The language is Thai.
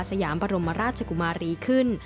สยามบรมราชกุมารีขึ้น